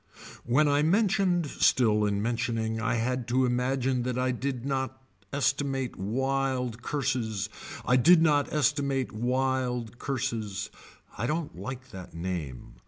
When I mentioned still in mentioning I had to imagine that I did not estimate wild curses. I did not estimate wild curses. I don't like that name.